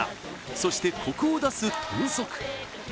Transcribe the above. そしてコクを出す豚足